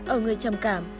ở người trầm cảm